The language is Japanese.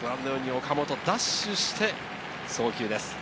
岡本、ダッシュして、送球です。